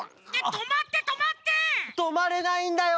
とまれないんだよ！